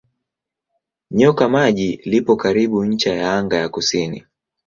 Nyoka Maji lipo karibu ncha ya anga ya kusini.